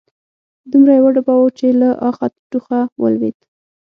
دومره يې وډباوه چې له اخه، ټوخه ولوېد